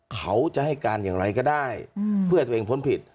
เขาจะให้การอย่างไรก็ได้เพื่อให้ตัวเองพ้นผิด